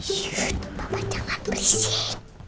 yut papa jangan berisik